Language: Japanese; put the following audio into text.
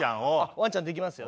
ワンちゃんできますよ。